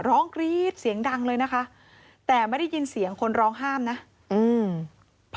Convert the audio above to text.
กรี๊ดเสียงดังเลยนะคะแต่ไม่ได้ยินเสียงคนร้องห้ามนะอืม